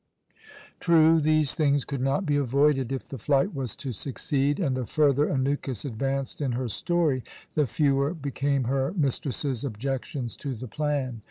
True, these things could not be avoided, if the flight was to succeed, and the further Anukis advanced in her story, the fewer became her mistress's objections to the plan.